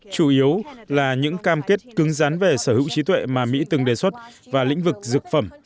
chủ yếu là những cam kết cứng rán về sở hữu trí tuệ mà mỹ từng đề xuất và lĩnh vực dược phẩm